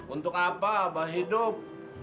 untuk apa abah hidup